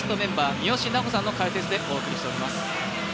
三好南穂さんの解説でお送りしています。